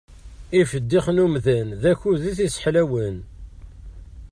Ifeddix n umdan d akud i t-sseḥlawen.